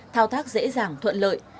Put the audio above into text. thao tác dễ dàng thuận lợi